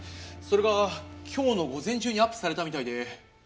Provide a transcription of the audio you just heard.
それが今日の午前中にアップされたみたいで。